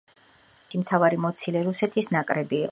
მათი მთავარი მოცილე რუსეთის ნაკრები იყო.